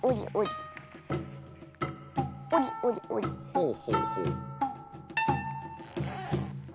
ほうほうほう。